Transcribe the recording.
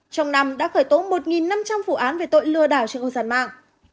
trong năm đã khởi tố một năm trăm linh vụ án về tội lừa đảo trên không gian mạng